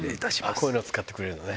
こういうの使ってくれるのね。